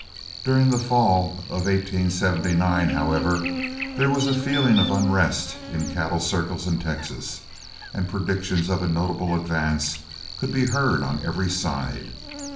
During the fall of 1879, however, there was a feeling of unrest in cattle circles in Texas, and predictions of a notable advance could be heard on every side.